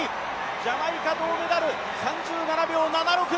ジャマイカ銅メダル、３７秒７６。